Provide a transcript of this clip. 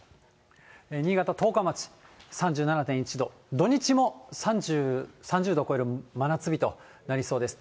新潟・十日町、３７．１度、土日も３０度を超える真夏日となりそうです。